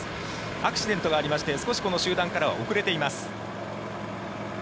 アクシデントがありまして少し集団からは遅れています。